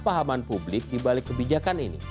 apakah pahaman publik di balik kebijakan ini